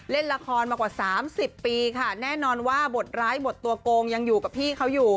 เล่นละครมากว่า๓๐ปีค่ะแน่นอนว่าบทร้ายบทตัวโกงยังอยู่กับพี่เขาอยู่